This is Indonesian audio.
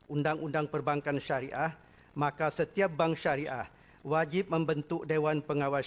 undang undang perbankan syariah maka setiap bank syariah wajib membentuk dewan pengawas